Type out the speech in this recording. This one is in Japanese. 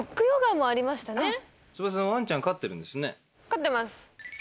飼ってます。